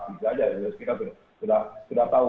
tiga dari usia kita sudah tahu